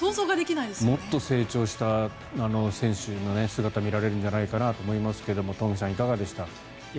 もっと成長した選手の姿が見られるんじゃないかなと思いますが東輝さん、いかがでした？